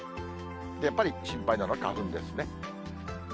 やっぱり心配なのは花粉ですね。